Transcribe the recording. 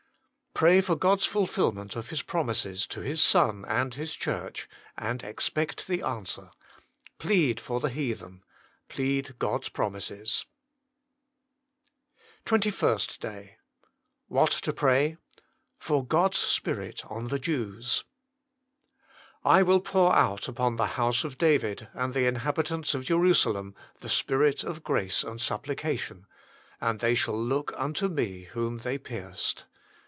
Pray for God s fulfilment of His promises to His Son and His Church, and expect the answer. Plead for the heathen : plead God s promises. SPECIAL PETITION S THE MINISTRY OF INTERCESSION TWENTY FIRST DAY WHAT TO PRAY. |For <&ob s Spirit on i|je |ifos " I will pour out upon the house of David, and the inhabit ants of Jerusalem, the Spirit of grace and Supplication ; and they shall look unto Me whom they pierced."